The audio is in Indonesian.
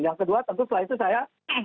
yang kedua tentu setelah itu saya